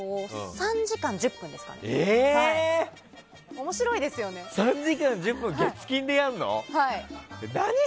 ３時間１０分月金でやるの？